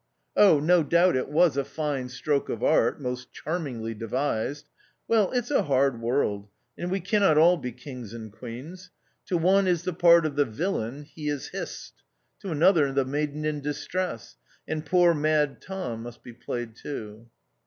Oh, no doubt it was a fine stroke of art — most charmingly devised. Well, it's a hard world, and we cannot all be kings and queens ; to one is the part of the villain — he is hissed ; to another the maiden in distress ; and poor Mad Tom must be played too.